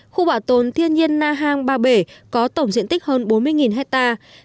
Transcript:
khu bảo tồn thiên nhiên na hàng ba bể có tổng diện tích hơn bốn mươi hectare